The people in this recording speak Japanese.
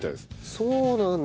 そうなんだ。